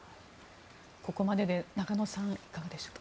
ここまでで中野さん、いかがでしょう。